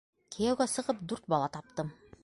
Кейәүгә сығып, дүрт бала таптым.